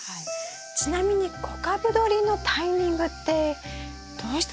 ちなみに小株どりのタイミングってどうしたらいいでしょうか？